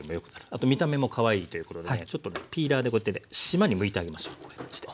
あと見た目もかわいいということでねちょっとピーラーでこうやってねしまにむいてあげましょう。